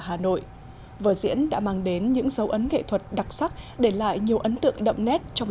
hà nội vở diễn đã mang đến những dấu ấn nghệ thuật đặc sắc để lại nhiều ấn tượng đậm nét trong